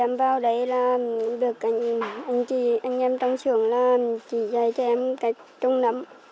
em vào đây là được anh chị anh em trong trường là chị dạy cho em cách trung nấm